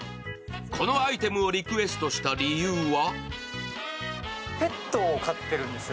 このアイテムをリクエストした理由は？